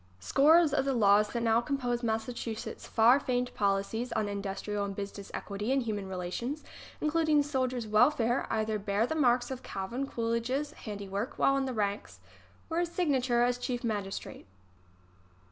Scores of the laws that now compose Massachu setts' far famed policies on industrial and business equity and human relations, including soldiers' wel fare, either bear the marks of Calvin Coolidge's handiwork while in the ranks or his signature as chief magistrate.